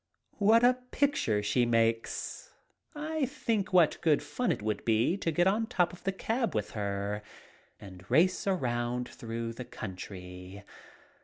What a picture she makes! I think what good fun it would be to get on top of the cab with her and race around through the country.